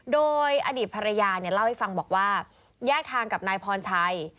โดยอดีตภรรยาเนี่ยเล่าให้ฟังบอกว่าแยกทางกับนายพรชัย